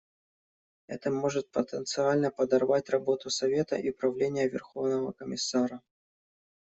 Это может потенциально подорвать работу Совета и Управления Верховного комиссара.